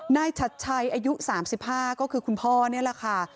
ชัดชัยอายุ๓๕ก็คือคุณพ่อนี่แหละค่ะ